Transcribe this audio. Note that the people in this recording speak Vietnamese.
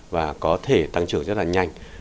và có thể tăng trưởng rất là nhanh